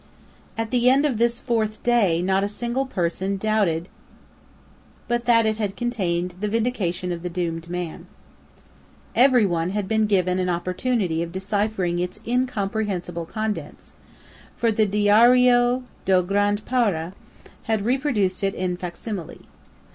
At the end of this fourth day not a single person doubted but that it contained the vindication of the doomed man. Every one had been given an opportunity of deciphering its incomprehensible contents, for the "Diario d'o Grand Para" had reproduced it in facsimile.